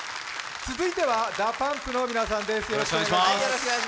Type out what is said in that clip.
続いてはＤＡＰＵＭＰの皆さんです。